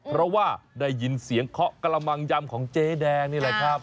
เพราะว่าได้ยินเสียงเคาะกระมังยำของเจ๊แดงนี่แหละครับ